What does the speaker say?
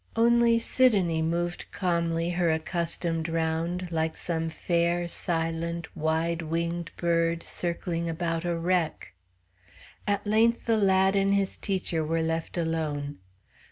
Only Sidonie moved calmly her accustomed round, like some fair, silent, wide winged bird circling about a wreck. At length the lad and his teacher were left alone.